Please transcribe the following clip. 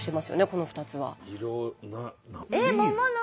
この２つは。